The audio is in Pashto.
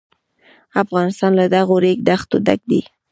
افغانستان له دغو ریګ دښتو ډک دی.